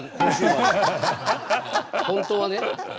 本当はね。